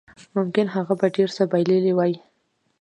ممکن هغه به ډېر څه بایللي وای